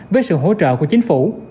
với sự hỗ trợ của chính phủ